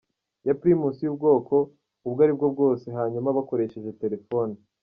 ya Primus y’ubwoko ubwo ari bwo bwose hanyuma bakoresheje telefoni.